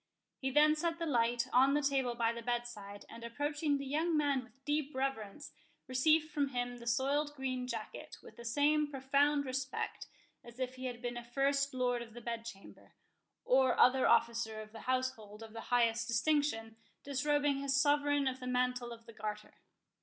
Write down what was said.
He then set the light on the table by the bedside, and approaching the young man with deep reverence, received from him the soiled green jacket, with the same profound respect as if he had been a first lord of the bedchamber, or other officer of the household of the highest distinction, disrobing his Sovereign of the Mantle of the Garter.